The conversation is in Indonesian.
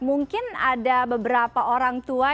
mungkin ada beberapa orang tua